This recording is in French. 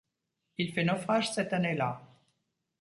Il fait naufrage cette année-là.